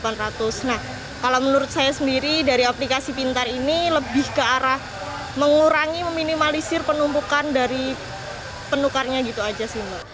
nah kalau menurut saya sendiri dari aplikasi pintar ini lebih ke arah mengurangi meminimalisir penumpukan dari penukarnya gitu aja sih